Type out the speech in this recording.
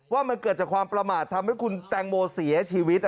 ว่ามันเกิดจากความประมาททำให้คุณแตงโมเสียชีวิต